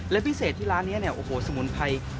และพิเศษที่ร้านนี้เนี่ยโอ้โหสมุนไพร